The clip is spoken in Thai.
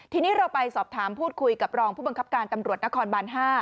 ทีนี้เราไปสอบถามพูดคุยกับรองผู้บังคับการตำรวจนครบาน๕